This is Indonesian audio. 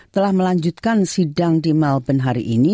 telah melanjutkan sidang di melbourne hari ini